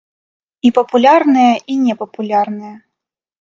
І папулярныя, і непапулярныя.